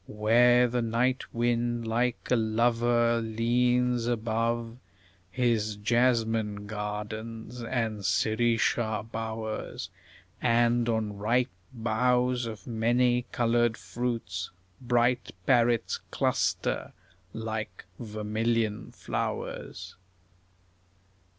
Where the night wind, like a lover, leans above His jasmine gardens and sirisha bowers; And on ripe boughs of many coloured fruits Bright parrots cluster like vermilion flowers.